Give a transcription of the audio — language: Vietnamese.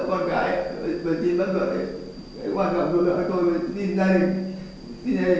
toàn bộ tội ác của mình gây ra